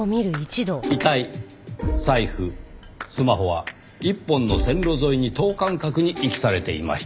遺体財布スマホは１本の線路沿いに等間隔に遺棄されていました。